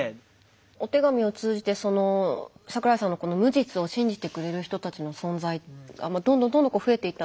お手紙を通じてその桜井さんの無実を信じてくれる人たちの存在がどんどんどんどん増えていったと思うんですが。